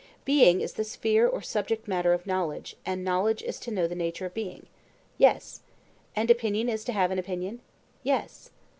Being is the sphere or subject matter of knowledge, and knowledge is to know the nature of being? Yes. And opinion is to have an opinion? Yes.